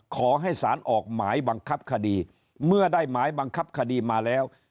ขอให้สารออกหมายบังคับคดีเมื่อได้หมายบังคับคดีมาแล้ว